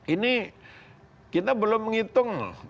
ini kita belum mengitung